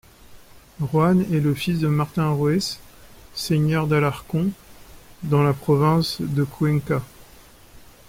Juan est le fils de Martin Ruiz, seigneur d'Alarcon, dans la province de Cuenca.